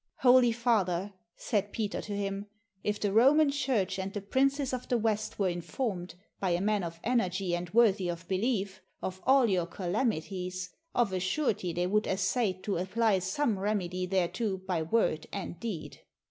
"'Holy father,' said Peter to him, 'if the Roman Church and the princes of the West were informed, by a man of energy and worthy of belief, of all your calami ties, of a surety they would essay to apply some remedy thereto by word and deed.